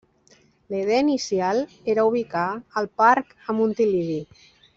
La idea inicial era ubicar el Parc a Montilivi.